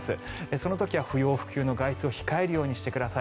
その時は不要不急の外出を控えるようにしてください。